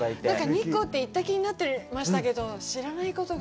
日光って、行った気になってましたけど、知らないことが。